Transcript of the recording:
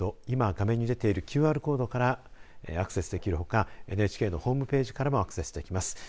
今、画面に出ているＱＲコードからアクセスできるほかＮＨＫのホームページからもアクセスできます。